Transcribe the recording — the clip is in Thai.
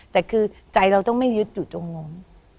แต่คือใจเราต้องไม่ยึดอยู่จงง